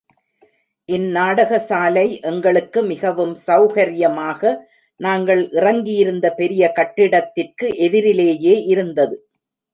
இந் நாடகசாலை எங்களுக்கு மிகவும் சௌகர்யமாக, நாங்கள் இறங்கியிருந்த பெரிய கட்டிடத்திற்கு எதிரிலேயே இருந்தது.